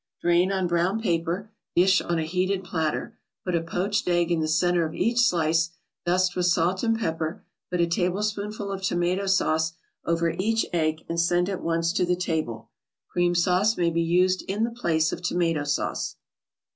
Drain on brown paper, dish on a heated platter, put a poached egg in the center of each slice, dust with salt and pepper, put a tablespoonful of tomato sauce over each egg and send at once to the table. Cream sauce may be used in the place of tomato sauce.